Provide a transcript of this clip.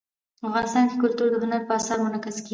افغانستان کې کلتور د هنر په اثار کې منعکس کېږي.